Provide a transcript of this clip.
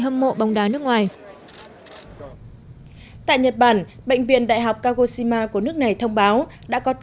hâm mộ bóng đá nước ngoài tại nhật bản bệnh viện đại học kagoshima của nước này thông báo đã có